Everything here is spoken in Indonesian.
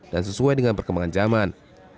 dan sesuai dengan perkembangan zaman